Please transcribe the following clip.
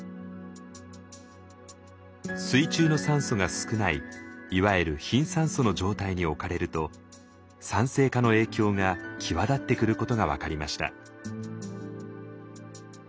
水中の酸素が少ないいわゆる貧酸素の状態におかれると酸性化の影響が際立ってくることが分かりました。